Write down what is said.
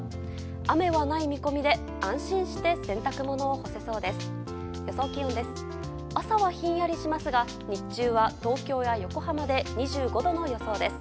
雨はない見込みで安心して洗濯物を干せそうです。